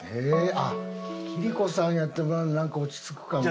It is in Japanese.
あっキリコさんにやってもらうのなんか落ち着くかもな。